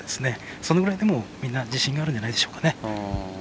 そのぐらいみんな自信があるんじゃないでしょうか。